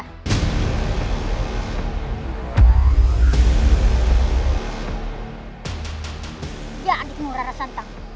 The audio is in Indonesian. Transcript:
tidak ada yang bisa mengurangkan raka santang